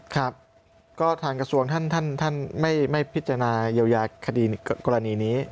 ครับก็ทางกระทรวงท่านไม่พิจารณาเยียวยาคดีกรณีนี้